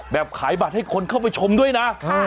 แบบขายบัตรให้คนเข้าไปชมด้วยนะ